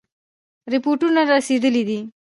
رپوټونه رسېدلي دي.